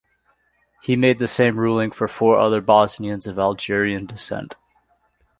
He made the same ruling for four other Bosnians of Algerian descent.